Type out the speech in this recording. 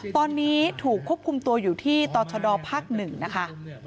ตอนนี้ถูกควบคุมตัวอยู่ที่ตชดภาค๑นะคะ